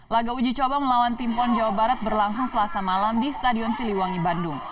laga uji coba melawan tim pon jawa barat berlangsung selasa malam di stadion siliwangi bandung